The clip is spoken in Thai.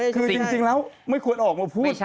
คือจริงแล้วไม่ควรออกมาพูด